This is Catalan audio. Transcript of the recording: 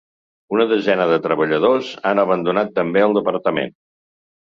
Una desena de treballadors han abandonat també el departament.